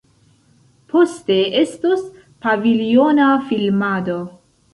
Poste estos pavilona filmado.